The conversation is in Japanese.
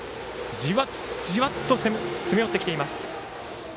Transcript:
じわじわと詰め寄ってきています。